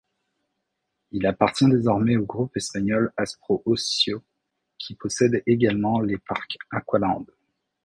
Il appartient désormais au groupe espagnol Aspro-Ocio, qui possède également les parcs Aqualand.